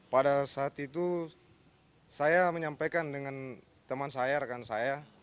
pada saat itu saya menyampaikan dengan teman saya rekan saya